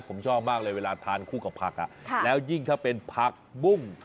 ผมชอบมากเลยเวลาทานคู่กับผักแล้วยิ่งถ้าเป็นผักบุ้ง